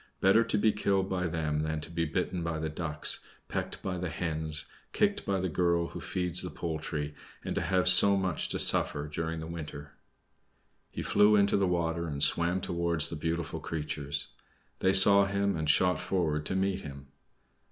Better to be killed by them than to be bitten by the Ducks, pecked by the Hens, kicked by the girl who feeds the poultry, and to have so much to suffer during the winter!" He flew into the water and swam towards the beautiful creatures. They saw him and shot forward to meet him.